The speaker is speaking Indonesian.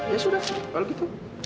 ya sudah kalau gitu